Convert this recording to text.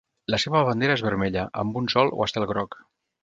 La seva bandera és vermella amb un sol o estel groc.